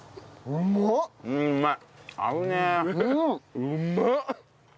うまっ！